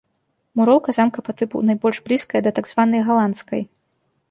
Муроўка замка па тыпу найбольш блізкая да так званай галандскай.